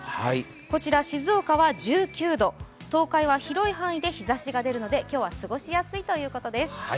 こちら静岡は１９度、東海は広い範囲で日ざしが出るので、今日は過ごしやすいということです。